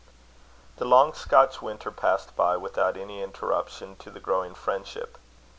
The long Scotch winter passed by without any interruption to the growing friendship.